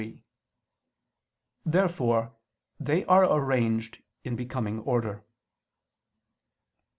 Therefore they are arranged in becoming order.